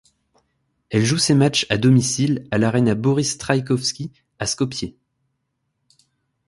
Elle joue ses matchs à domicile à l'Arena Boris Trajkovski à Skopje.